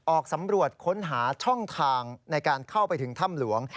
ออกสำรวจค้นหาช่องทางในการเข้าไปถึงถ้ำหลวง